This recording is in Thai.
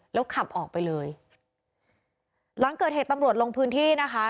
แล้วขับออกไปเลยหลังเกิดเหตุตำรวจลงพื้นที่นะคะ